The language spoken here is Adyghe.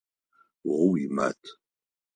О уимат.